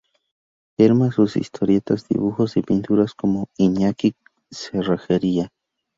Firma sus historietas, dibujos y pinturas como Iñaki Cerrajería.